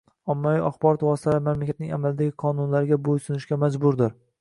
Ommaviy axborot vositalari mamlakatning amaldagi qonunlariga bo'ysunishga majburdir